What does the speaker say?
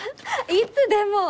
いつでも！